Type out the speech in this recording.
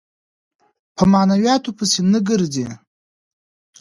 په معنوياتو پسې نه ګرځي.